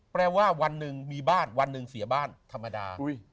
แปลว่าวันหนึ่งมีบ้านวันหนึ่งเสียบ้านธรรมดา